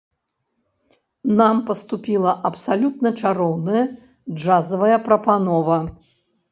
Нам паступіла абсалютна чароўная джазавая прапанова.